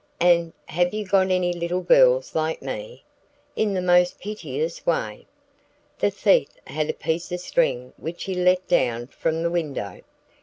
and "have you got any little girls like me?" in the most piteous way. The thief had a piece of string which he let down from the window.